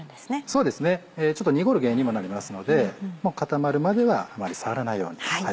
そうですねちょっと濁る原因にもなりますので固まるまではあまり触らないように。